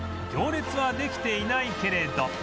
行列はできていないけれど